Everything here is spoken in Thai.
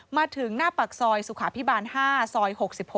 มาถึงหน้าปากซอยสุขาพิบาล๕ซอย๖๖